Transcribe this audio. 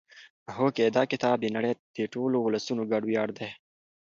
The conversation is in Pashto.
هوکې دا کتاب د نړۍ د ټولو ولسونو ګډ ویاړ دی.